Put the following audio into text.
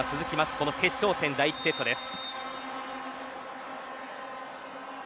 この決勝戦第１セットです